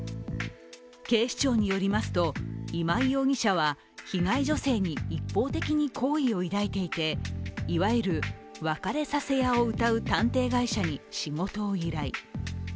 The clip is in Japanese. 警視庁によりますと、今井容疑者は被害女性に一方的に好意を抱いていていわゆる別れさせ屋をうたう探偵会社に仕事を依頼。